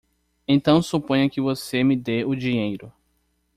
Então suponha que você me dê o dinheiro.